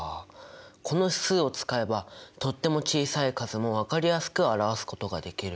この指数を使えばとっても小さい数も分かりやすく表すことができる。